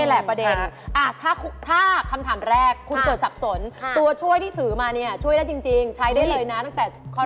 แหละประเด็นถ้าคำถามแรกคุณเกิดสับสนตัวช่วยที่ถือมาเนี่ยช่วยได้จริงใช้ได้เลยนะตั้งแต่ข้อ๑